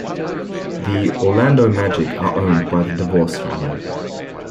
The Orlando Magic are owned by the DeVos family.